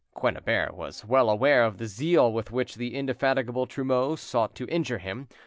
Quennebert was well aware of the zeal with which the indefatigable Trumeau sought to injure him.